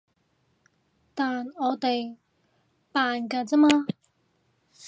但我哋扮㗎咋嘛